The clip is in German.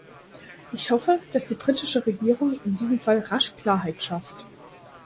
Ich hoffe, dass die britische Regierung in diesem Fall rasch Klarheit schafft.